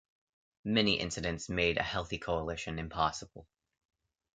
Many incidents made a healthy coalition impossible.